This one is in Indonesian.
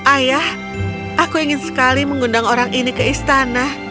ayah aku ingin sekali mengundang orang ini ke istana